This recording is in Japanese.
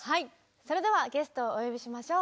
それではゲストをお呼びしましょう。